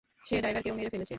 সে ড্রাইভারকেও মেরে ফেলেছে।